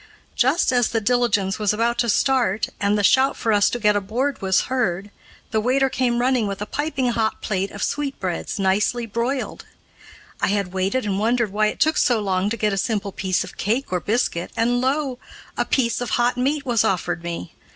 Just as the diligence was about to start, and the shout for us to get aboard was heard, the waiter came running with a piping hot plate of sweetbreads nicely broiled. I had waited and wondered why it took so long to get a simple piece of cake or biscuit, and lo! a piece of hot meat was offered me.